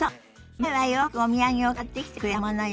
前はよくお土産を買ってきてくれたものよ。